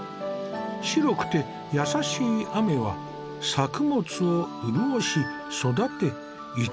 白くて優しい雨は作物を潤し育て慈しむような雨。